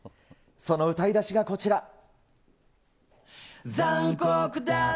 その歌い出しがこちら。